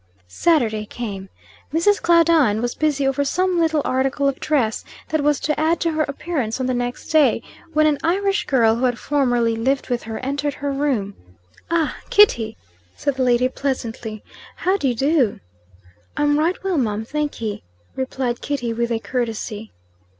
Saturday came. Mrs. Claudine was busy over some little article of dress that was to add to her appearance on the next day, when an Irish girl, who had formerly lived with her, entered her room. "Ah! Kitty!" said the lady pleasantly. "How do you do?" "I'm right well, mum, thankee," replied Kitty, with a courtesy.